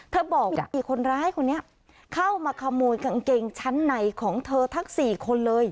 บอกว่าไอ้คนร้ายคนนี้เข้ามาขโมยกางเกงชั้นในของเธอทั้ง๔คนเลย